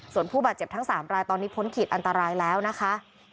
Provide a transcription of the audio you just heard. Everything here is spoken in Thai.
ส่วนผู้บาดเจ็บทั้ง๓รายตอนนี้พ้นขีดอันตรายแล้วนะคะ